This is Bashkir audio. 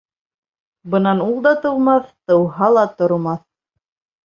Бынан ул да тыумаҫ, тыуһа ла тормаҫ.